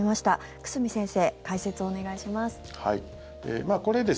久住先生、解説お願いします。